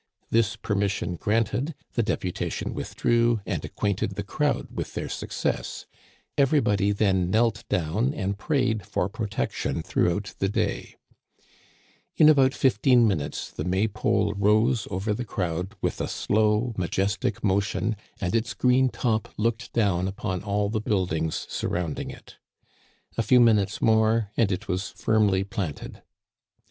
This permission granted, the deputation withdrew and Digitized by VjOOQIC Il8 THE CANADIANS OF OLD, acquainted the crowd with their success. Everybody then knelt down and prayed for protection throughout the day. In about fifteen minutes the May pole rose over the crowd with a slow, majestic motion, and its green top looked down upon all the buildings surround ing it A few minutes more and it was firmly planted.